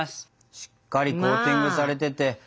しっかりコーティングされてて。